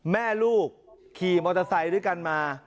แม่ลูกขี่มอเตอร์ไซค์ด้วยกันมา